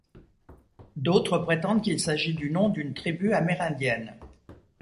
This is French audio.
D'autres prétendent qu'il s'agit du nom d'une tribu amérindienne.